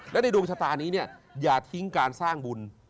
และในดวงชะตานี้เนี่ยอย่าทิ้งการสร้างบุญ